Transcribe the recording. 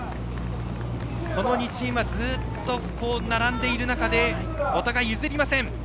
この２チームはずっと並んでいる中でお互い、譲りません。